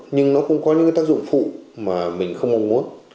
nhưng nó cũng có những tác dụng phụ mà mình không mong muốn